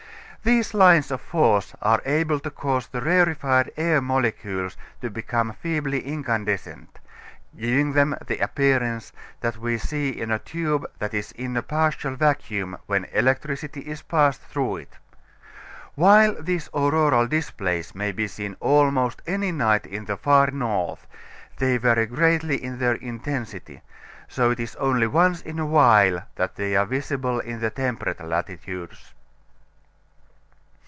Those lines of force are able to cause the rarified air molecules to become feebly incandescent, giving them the appearance that we see in a tube that is a partial vacuum when electricity is passed through it. While these auroral displays may be seen almost any night in the far north, they vary greatly in their intensity, so it is only once in a while that they are visible in the temperate latitudes.